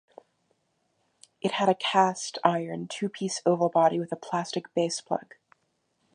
It had a cast-iron two-piece oval body with a plastic base plug.